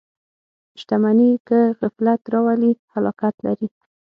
• شتمني که غفلت راولي، هلاکت لري.